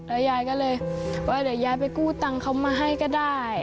ยายก็เลยว่าเดี๋ยวยายไปกู้ตังค์เขามาให้ก็ได้